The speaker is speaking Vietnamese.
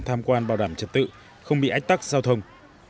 tham quan bảo đảm trật tự không bị ách tắc giao thông